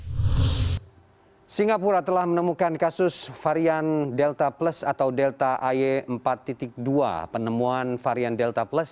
di singapura telah menemukan kasus varian delta plus atau delta ay empat dua penemuan varian delta plus